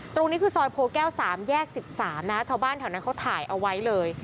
ตรงนี้คือซอยโพแก้ว๓แยก๑๓นะชาวบ้านแถวนั้นเขาถ่ายเอาไว้เลย